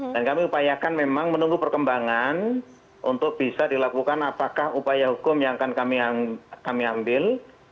dan kami upayakan memang menunggu perkembangan untuk bisa dilakukan apakah upaya hukum yang akan kami ambil